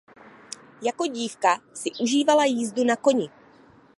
Jako dívka si užívala jízdu na koni.